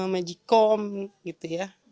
magicom gitu ya